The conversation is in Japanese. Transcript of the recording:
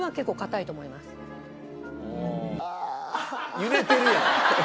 揺れてるやん。